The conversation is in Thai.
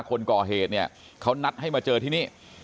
คนก่อเหตุเนี่ยเขานัดให้มาเจอที่นี่